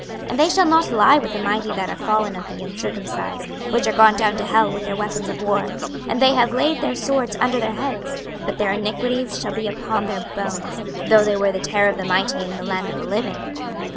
26:032:027 And they shall not lie with the mighty that are fallen of the uncircumcised, which are gone down to hell with their weapons of war: and they have laid their swords under their heads, but their iniquities shall be upon their bones, though they were the terror of the mighty in the land of the living.